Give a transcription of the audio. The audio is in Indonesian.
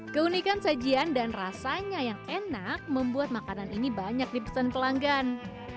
keunikan sajian dan rasanya yang enak membuat makanan ini banyak dipesan pelanggan